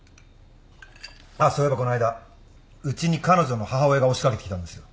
あっそういえばこの間うちに彼女の母親が押し掛けてきたんですよ。